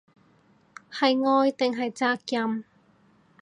係愛定係責任